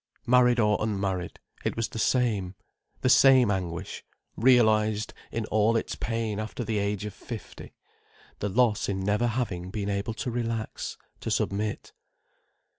Married or unmarried, it was the same—the same anguish, realized in all its pain after the age of fifty—the loss in never having been able to relax, to submit.